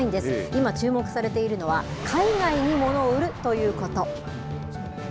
今、注目されているのは、海外にものを売るということ。